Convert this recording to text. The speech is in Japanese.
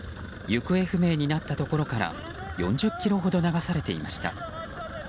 行方不明になったところから４０ｋｍほど流されていました。